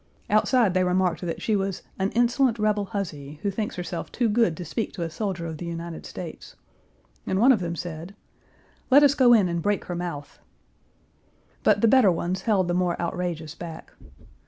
Outside they remarked that she was "an insolent rebel huzzy, who thinks herself too good to speak to a soldier of the United States," and one of them said: "Let us go in and break her mouth." But the better ones held the more outrageous back.